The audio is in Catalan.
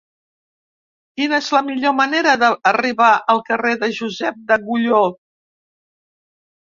Quina és la millor manera d'arribar al carrer de Josep d'Agulló?